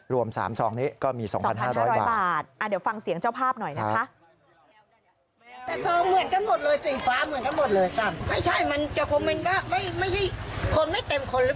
รวม๓ซองนี้ก็มี๒๕๐๐บาทเดี๋ยวฟังเสียงเจ้าภาพหน่อยนะคะ